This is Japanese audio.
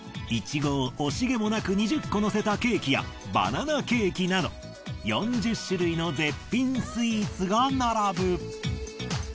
イチゴを惜しげもなく２０個のせたケーキやバナナケーキなど４０種類の絶品スイーツが並ぶ。